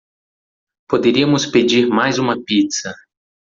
Poderíamos pedir mais uma pizza